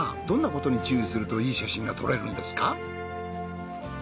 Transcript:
どんなことに注意するといい写真が撮れるんですか？